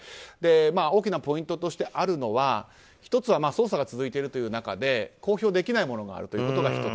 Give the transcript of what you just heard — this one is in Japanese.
大きなポイントとしてあるのは１つは捜査が続いているという中で公表できないものがあるということが１つ。